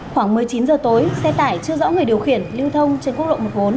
khoảng một mươi chín giờ tối xe tải chưa rõ người điều khiển lưu thông trên quốc lộ một mươi bốn